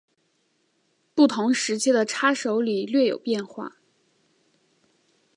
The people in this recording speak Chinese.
不同时期的叉手礼略有变化。